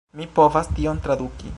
Mi povas tion traduki